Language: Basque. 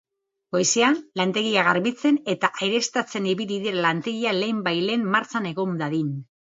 Goizean lantegia garbitzen eta aireztatzen ibili dira lantegia lehenbailehen martxan egon dadin.